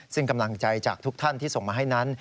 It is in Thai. ซึ่งกำลังใจจากทุกท่านที่ส่งมาให้นั้น